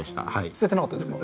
捨ててなかったですか？